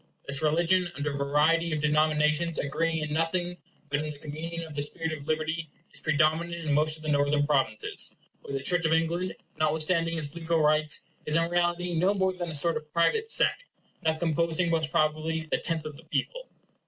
This religion, under a variety of denominations agreeing in nothing but in the communion of the spirit of liberty, is predominant in most of the Northern Provinces, where the Church of England, notwithstanding its legal rights, is in reality no more than a sort of private sect, not composing most probably the tenth of the people.